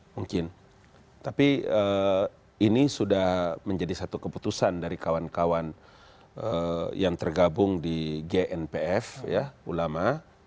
mungkin tapi ini sudah menjadi satu keputusan dari kawan kawan yang tergabung di gnpf ulama